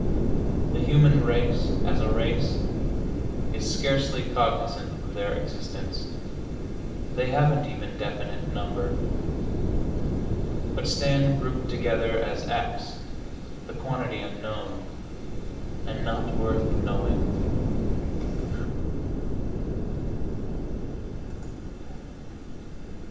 The human race, as a race, is scarcely cognizant of their existence; they haven't even definite number, but stand grouped together as x, the quantity unknown ... and not worth knowing.